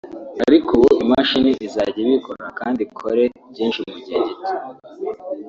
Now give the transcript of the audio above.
ariko ubu imashini izajya ibikora kandi ikore byinshi mu gihe gito